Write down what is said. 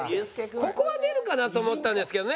ここは出るかなと思ったんですけどね。